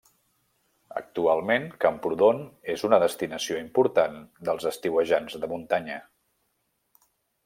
Actualment, Camprodon és una destinació important dels estiuejants de muntanya.